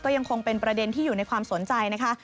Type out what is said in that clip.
ยังคงเป็นประเด็นที่อยู่ในความสนใจนะคะ